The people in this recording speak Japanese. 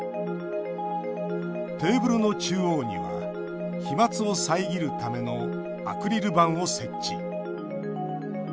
テーブルの中央には飛まつを遮るためのアクリル板を設置。